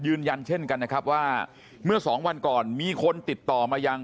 ยืนยันเช่นกันนะครับว่าเมื่อสองวันก่อนมีคนติดต่อมายัง